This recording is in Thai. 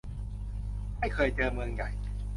ไม่เคยเจอเมืองใหญ่